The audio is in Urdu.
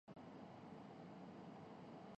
فنون لطیفہ پسند نہیں کرتا